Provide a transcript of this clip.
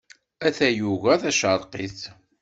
A tayuga tacerqit.